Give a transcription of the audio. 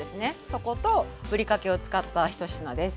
そことぶりかけを使ったひと品です。